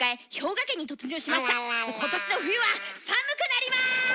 今年の冬は寒くなります！